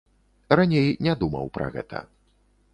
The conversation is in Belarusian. Раней не думаў пра гэта.